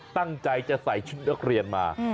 ตั้งใจจะใส่ชุดนักเรียนมา